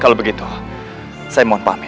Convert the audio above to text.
kalau begitu saya mohon pahami